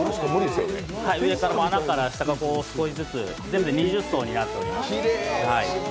上から、穴から少しずつ全部で２０層になっています。